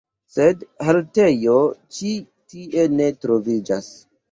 Sed haltejo ĉi tie ne troviĝas.